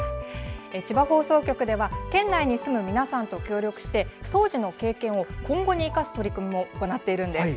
千葉放送局では県内に住む皆さんと協力して当時の経験を今後に生かす取り組みも行っているんです。